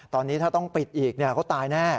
ตอนนี้ถ้าต้องปิดอีกเขาตายแน่